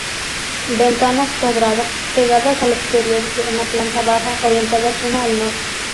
Ventanas cuadradas, cegadas al exterior en la planta baja, orientadas una al norte.